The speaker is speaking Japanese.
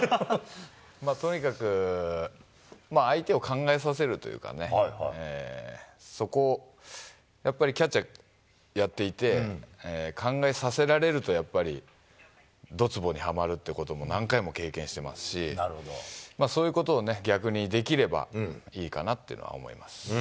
とにかく相手を考えさせるというかね、そこを、やっぱりキャッチャーやっていて、考えさせられるとやっぱり、どつぼにはまるということも何回も経験してますし、そういうことをね、逆にできればいいかなっていうのは思います。